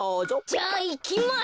じゃあいきます！